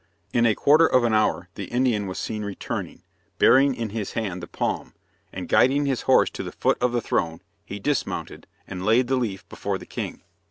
In a quarter of an hour the Indian was seen returning, bearing in his hand the palm, and, guiding his horse to the foot of the throne, he dismounted, and laid the leaf before the king.